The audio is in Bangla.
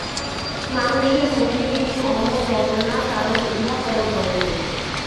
মানুষের মনকে তিনি অমর বলেন না, কারণ উহা পরতন্ত্র।